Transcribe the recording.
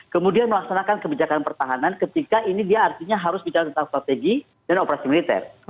kemudian melaksanakan kebijakan pertahanan ketika ini dia artinya harus bicara tentang strategi dan operasi militer